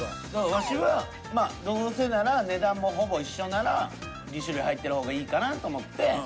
ワシはまあどうせなら値段もほぼ一緒なら２種類入ってる方がいいかなと思って。